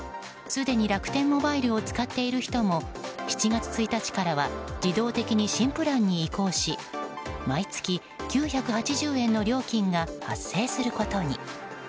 すでに楽天モバイルを使っている人も７月１日からは自動的に新プランに移行し毎月、９８０円の料金が発生することに。